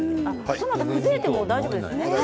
トマトは崩れても大丈夫ですよね。